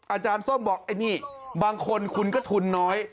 อาจารย์ส้มบอกบางคนคุณก็ทุนน้อย